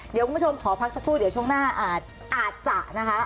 เดี๋ยวคุณผู้ชมขอพักสักครู่เดี๋ยวช่วงหน้าอาจจะนะคะ